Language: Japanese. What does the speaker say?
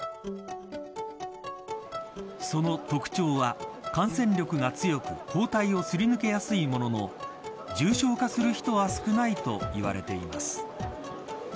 その特徴は感染力が強く抗体をすり抜けやすいものの重症化する人は少ないといわれています。